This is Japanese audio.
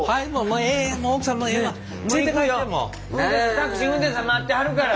タクシーの運転手さん待ってはるから。